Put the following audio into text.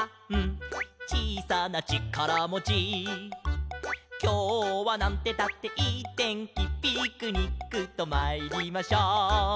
「ちいさなちからもち」「きょうはなんてったっていいてんき」「ピクニックとまいりましょう」